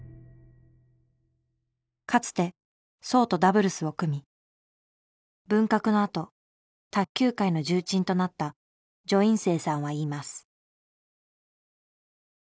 かつて荘とダブルスを組み文革のあと卓球界の重鎮となった徐寅生さんは言います。